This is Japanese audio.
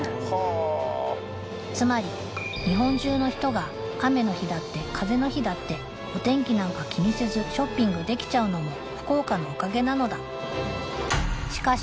つまり日本中の人が雨の日だって風の日だってお天気なんか気にせずショッピングできちゃうのも福岡のおかげなのだしかし